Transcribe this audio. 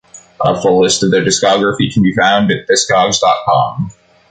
A full list of their discography can be found at Discogs dot com.